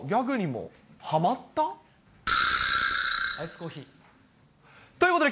うわー、アイスコーヒー。